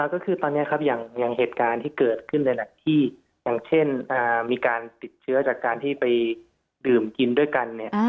ก็คือตอนนี้ครับอย่างเหตุการณ์ที่เกิดขึ้นในหนักที่อย่างเช่นมีการติดเชื้อจากการที่ไปดื่มกินด้วยกันเนี่ย